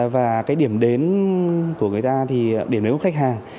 và cái điểm đến của người ta thì điểm đến của khách hàng